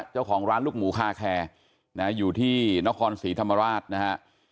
เจ้าของร้านลูกหมูคาแคร์อยู่ที่นครศรีธรรมราชนะฮะ